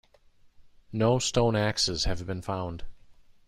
No stone axes have been found.